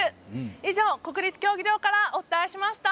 以上、国立競技場からお伝えしました！